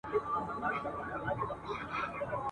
ډېر کسان دي نه د جنګ وي نه د ننګ وي !.